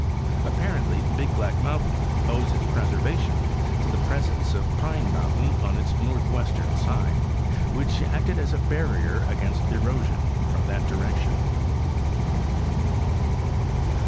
Apparently Big Black mountain owes its preservation to the presence of Pine mountain on its north western side, which acted as a barrier against erosion from that direction.